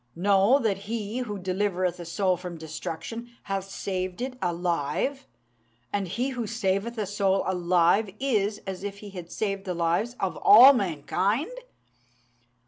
Know that he who delivereth a soul from destruction hath saved it alive, and he who saveth a soul alive is as if he had saved the lives of all mankind.